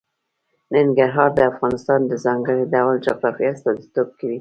ننګرهار د افغانستان د ځانګړي ډول جغرافیه استازیتوب کوي.